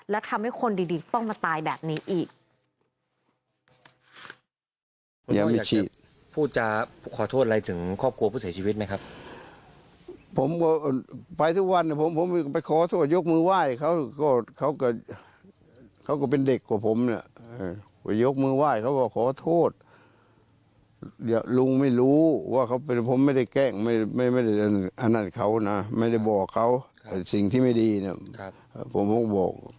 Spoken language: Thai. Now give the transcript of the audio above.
และทำให้คนดีต้องมาตายแบบนี้อีก